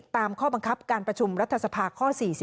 ตามข้อบังคับการประชุมรัฐสภาข้อ๔๔